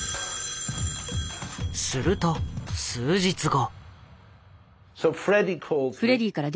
☎すると数日後。